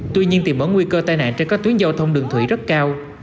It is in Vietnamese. tuy nhiên tìm mở nguy cơ tai nạn trên các tuyến giao thông đường thủy rất cao